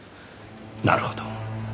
なるほど。